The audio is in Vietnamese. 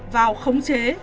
vào khống chế